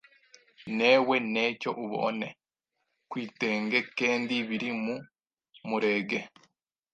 newe ntecyo ubone, kwitenge kendi biri mu murege